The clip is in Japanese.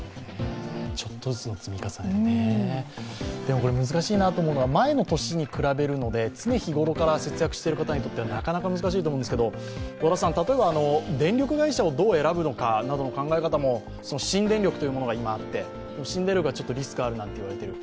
ちょっとずつの積み重ね、ね難しいなと思うのは、前の年に比べるので常日頃から節約している方にとってはなかなか難しいと思うんですが電力会社をどう選ぶのかという考え方も新電力というものが今あって、でも新電力はリスクがあるといわれている。